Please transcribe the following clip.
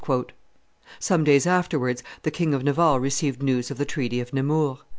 Some days afterwards, the King of Navarre received news of the treaty of Nemours.